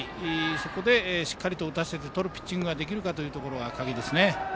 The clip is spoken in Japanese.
そこでしっかりと打たせてとるピッチングができるかが鍵ですね。